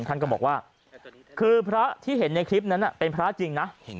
ท่านก็บอกว่าคือพระที่เห็นในคลิปนั้นเป็นพระจริงนะ